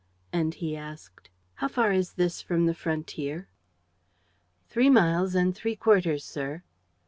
And he asked: "How far is this from the frontier?" "Three miles and three quarters, sir."